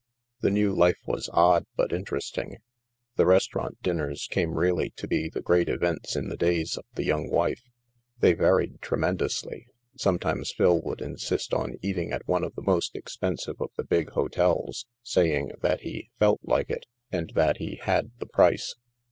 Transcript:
The new life was odd, but interesting. The res taurant dinners came really to be the great events in the days of the young wife. They varied tre mendously; sometimes Phil would insist on eating at one of the most expensive of the big hotels, say ing that he " felt like it," and that he " had the price."